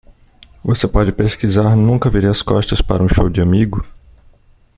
Você pode pesquisar Nunca vire as costas para um show de amigo?